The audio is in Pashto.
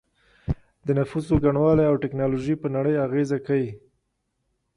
د نفوسو ګڼوالی او ټیکنالوژي په نړۍ اغیزه کوي